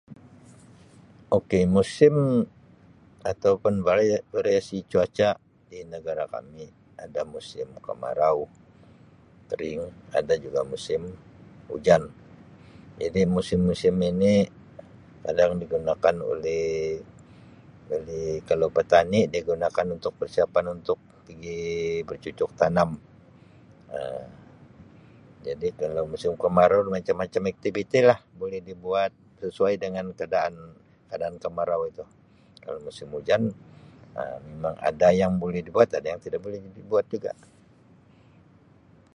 Okay musim atau pun variasi cuaca di negara kami ada musim kemarau, kering, ada juga musim ujan, jadi musim-musim ini kadang digunakan oleh-oleh kalau petani dia gunakan untuk persiapan untuk pigi bercucuk tanam Um jadi kalau musim kemarau macam-macam aktibiti lah boleh dibuat sesuai dengan keadaan-keadaan kemarau itu. Kalau musim ujan Um memang ada yang boleh dibuat ada yang tidak boleh dibuat juga.